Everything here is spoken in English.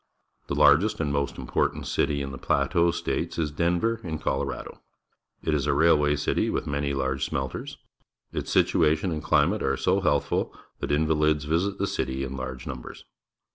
The largest and most important city in the Plateau States is Denver in Colorado. It is a railway citj% with many large smelters. Its situation and climate are so healthful that invalids A isit the city in large numbers.